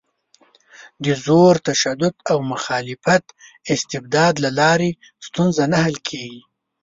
د زور، تشدد او مخالف استبداد له لارې ستونزه نه حل کېږي.